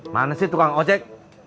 mana sih tukang ojek